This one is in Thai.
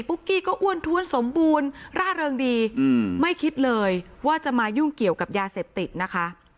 กี้ก็อ้วนท้วนสมบูรณ์ร่าเริงดีไม่คิดเลยว่าจะมายุ่งเกี่ยวกับยาเสพติดนะคะ